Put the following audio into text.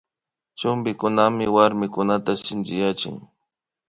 Chumpikunami warmikunata shinchiyachin